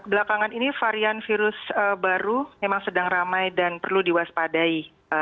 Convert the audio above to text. belakangan ini varian virus baru memang sedang ramai dan perlu diwaspadai